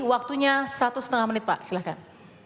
waktunya satu setengah menit pak silahkan